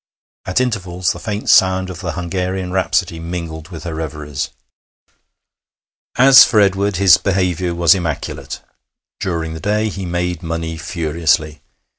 At intervals the faint sound of the Hungarian Rhapsody mingled with her reveries. As for Edward, his behaviour was immaculate. During the day he made money furiously.